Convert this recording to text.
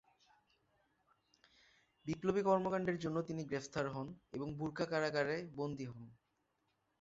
বিপ্লবী কর্মকান্ডের জন্য তিনি গ্রেফতার হন এবং বুরকা কারাগারে বন্দি হন।